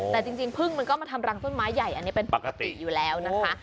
แต่จริงพึ่งมันก็มาทำรังต้นไม้ใหญ่อันนี้เป็นปกติอยู่แล้วนะคะ